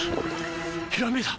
ひらめいた！